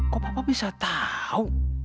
kok bapak bisa tahu